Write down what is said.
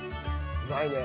うまいね。